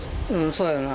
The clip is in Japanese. そうやな。